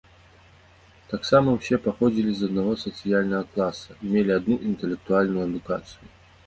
Таксама ўсе паходзілі з аднаго сацыяльнага класа і мелі адну інтэлектуальную адукацыю.